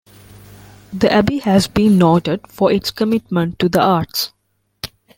The abbey has been noted for its commitment to the arts.